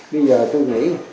bây giờ tôi nghĩ